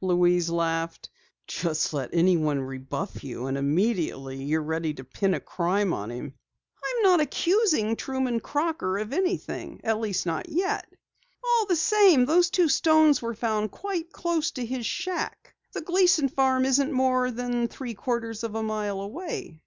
Louise laughed. "Just let anyone rebuff you, and immediately you try to pin a crime on him!" "I'm not accusing Truman Crocker of anything at least not yet. All the same, those two stones were found quite close to his shack. The Gleason farm isn't more than three quarters of a mile away."